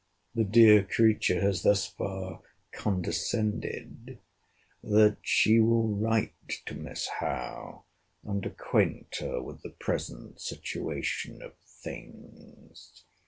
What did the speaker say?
The dear creature has thus far condescended—that she will write to Miss Howe and acquaint her with the present situation of things.